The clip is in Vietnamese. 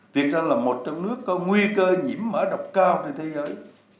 việc ra là một trong nước có nguy cơ nhiễm mở độc cao trên thế giới